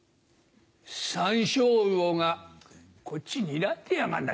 サンショウウオがこっちにらんでやがんな。